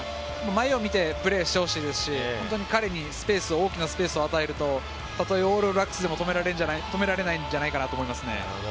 前を見てプレーしてほしいですし、大きなスペースを与えるとオールブラックスで止められないんじゃないかなと思います。